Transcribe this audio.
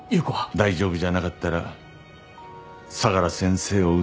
大丈夫じゃなかったら相良先生を訴えますか？